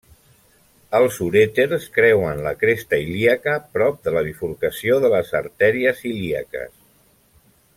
Els urèters creuen la cresta ilíaca, prop de la bifurcació de les artèries ilíaques.